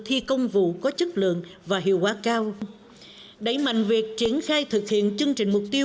thi công vụ có chất lượng và hiệu quả cao đẩy mạnh việc triển khai thực hiện chương trình mục tiêu